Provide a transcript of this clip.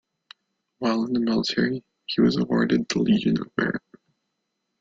While in the military, he was awarded the Legion of Merit.